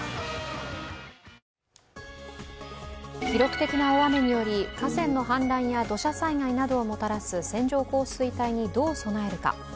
記録的な大雨により河川の氾濫や土砂災害などをもたらす線状降水帯にどう備えるか。